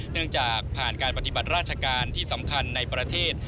เนื่องจากผ่านการปฏิบัติราชการที่สำคัญในประเทศ